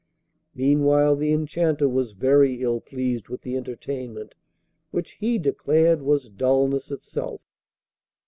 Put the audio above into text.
Meanwhile the Enchanter was very ill pleased with the entertainment, which he declared was dulness itself.